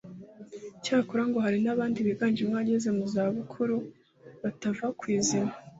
Icyakora ngo hari n’abandi biganjemo abageze mu zabukuru batava ku izima